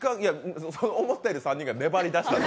思ったより３人が粘りだしたんで。